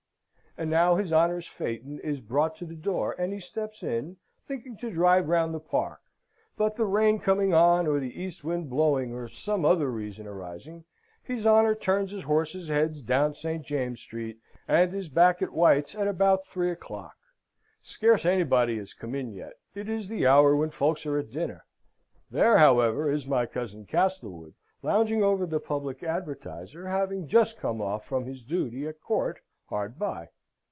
And now his honour's phaeton is brought to the door, and he steps in, thinking to drive round the park; but the rain coming on, or the east wind blowing, or some other reason arising, his honour turns his horses' heads down St. James's Street, and is back at White's at about three o'clock. Scarce anybody has come in yet. It is the hour when folks are at dinner. There, however, is my cousin Castlewood, lounging over the Public Advertiser, having just come off from his duty at Court hard by.